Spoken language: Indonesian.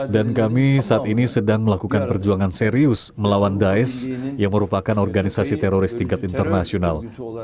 dan kami saat ini sedang melakukan perjuangan serius melawan daesh yang merupakan organisasi teroris tingkat internasional